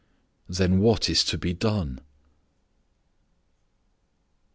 Then what is to be done?